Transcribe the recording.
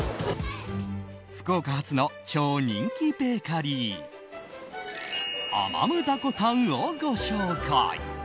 福岡発の超人気ベーカリーアマムダコタンをご紹介。